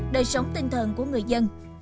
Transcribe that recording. đời sống tinh thần của người dân